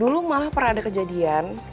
dulu malah pernah ada kejadian